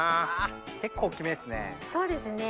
結構大きめですね。